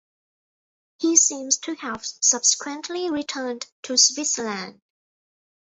He seems to have subsequently returned to Switzerland.